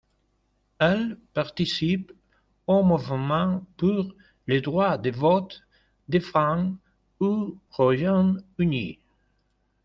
Elle participe au mouvement pour le droit de vote des femmes au Royaume-Uni.